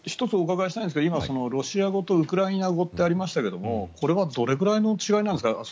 １つお伺いしたいんですが今、ロシア語とウクライナ語とありましたがこれはどれくらいの違いなんですか。